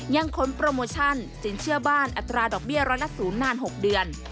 ขนโปรโมชั่นสินเชื่อบ้านอัตราดอกเบี้ยร้อยละ๐นาน๖เดือน